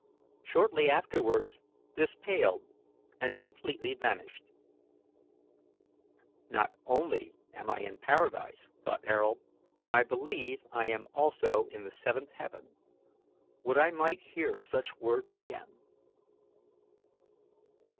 Shortly afterwards this paled and completely vanished. "Not only am I in paradise," thought Ayrault; "I believe I am also in the seventh heaven. Would I might hear such words again!"